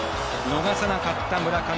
逃さなかった村上。